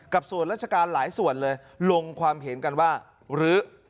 ส่วนราชการหลายส่วนเลยลงความเห็นกันว่ารื้อ